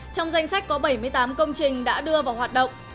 trong danh sách có bảy mươi tám công trình đã đưa vào hoạt động